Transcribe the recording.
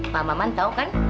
pak maman tau kan